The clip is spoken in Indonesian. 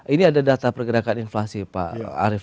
ini ada data pergerakan inflasi pak arief